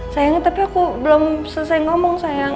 sayangnya tapi aku belum selesai ngomong sayang